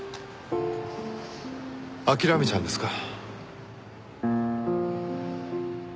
諦めちゃうんですか？